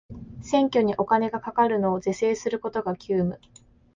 選挙にお金がかかるのを是正することが急務